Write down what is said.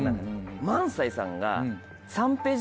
萬斎さんが。